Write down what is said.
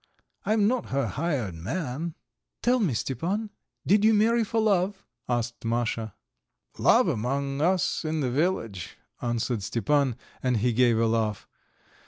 I am not her hired man." "Tell me, Stepan, did you marry for love?" asked Masha. "Love among us in the village!" answered Stepan, and he gave a laugh.